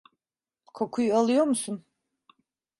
Kokuyu alıyor musun?